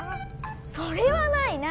それはないない！